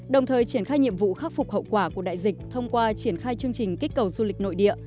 đồng thời triển khai nhiệm vụ khắc phục hậu quả của đại dịch thông qua triển khai chương trình kích cầu du lịch nội địa